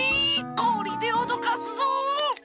こりでおどかすぞ！